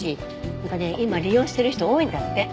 なんかね今利用してる人多いんだって。